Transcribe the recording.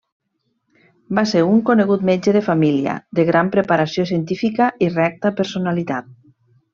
Va ser un conegut metge de família, de gran preparació científica i recta personalitat.